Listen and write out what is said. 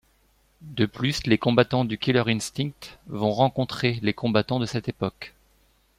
De plus, les combattants du Killer Instinct vont rencontrer les combattants de cette époque.